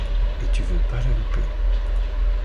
Et tu veux pas la louper.